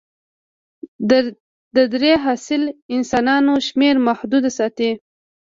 د درې حاصل د انسانانو شمېر محدود ساتي.